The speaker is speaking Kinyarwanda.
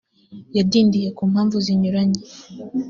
yadindiye ku mpamvu zinyuranye